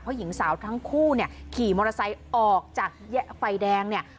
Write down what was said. เพราะหญิงสาวทั้งคู่เนี่ยขี่มอเตอร์ไซค์ออกจากไฟแดงเนี่ย